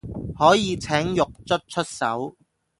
可以請獄卒出手